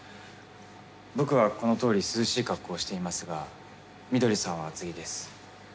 僕はこのとおり涼しい格好をしていますが翠さんは厚着です。